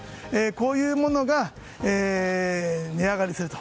こういうものが値上がりすると。